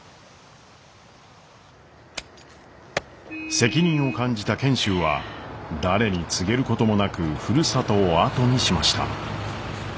責任を感じた賢秀は誰に告げることもなくふるさとを後にしました。